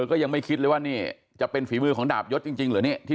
ก็ยังไม่คิดเลยว่านี่จะเป็นฝีมือของดาบยศจริงเหรอนี่ที่